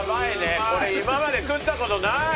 今まで食った事ない！